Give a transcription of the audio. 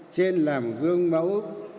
trên làm gương mẫu